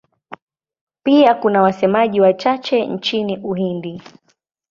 Pia kuna wasemaji wachache nchini Uhindi.